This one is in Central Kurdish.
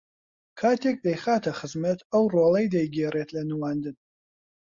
کاتێک دەیخاتە خزمەت ئەو ڕۆڵەی دەیگێڕێت لە نواندن